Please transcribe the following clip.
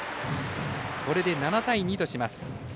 これで７対２とします。